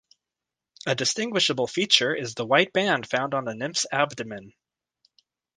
A distinguishable feature is the white band found on the nymph's abdomen.